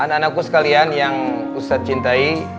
anak anakku sekalian yang ustadz cintai